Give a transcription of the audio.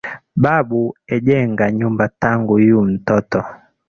Babu ejenga nyumba tangu yu ntoto